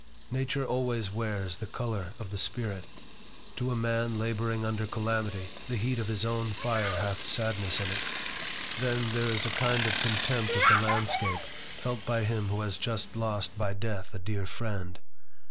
Nature always wears the colors of the spirit. To a man laboring under calamity, the heat of his own fire hath sadness in it. Then, there is a kind of contempt of the landscape felt by him who has just lost by death a dear friend.